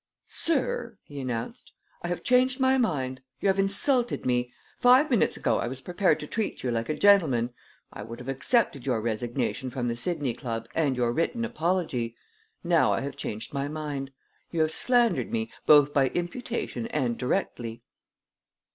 "Sir," he announced, "I have changed my mind. You have insulted me. Five minutes ago I was prepared to treat you like a gentleman. I would have accepted your resignation from the Sidney Club and your written apology. Now I have changed my mind. You have slandered me, both by imputation and directly."